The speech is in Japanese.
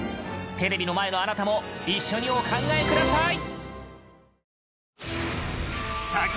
テレビの前のあなたも一緒にお考えください。